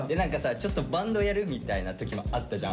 ちょっとバンドやる？みたいな時もあったじゃん。